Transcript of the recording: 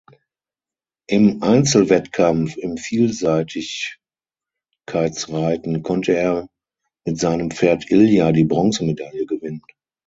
Im Einzelwettkampf im Vielseitigkeitsreiten konnte er mit seinem Pferd "Ilja" die Bronzemedaille gewinnen.